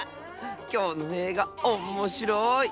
きょうのえいがおっもしろい！